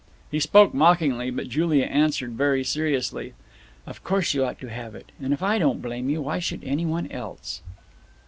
He spoke mockingly, but Julia answered very seriously: "Of course you ought to have it; and if I don't blame you, why should anyone else?"